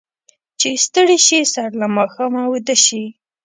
چې ستړي شي، سر له ماښامه اوده شي.